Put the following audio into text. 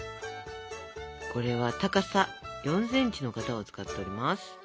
これは高さ４センチの型を使っております。